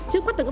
chứ bắt đầu